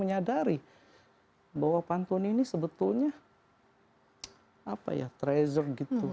kemudian saya baru menyadari bahwa pantun ini sebetulnya treasure